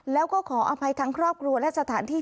แล้วก็ขออภัยทั้งครอบครัวและสถานที่